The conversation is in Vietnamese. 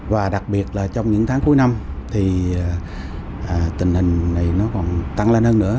và đặc biệt là trong những tháng cuối năm thì tình hình này nó còn tăng lên hơn nữa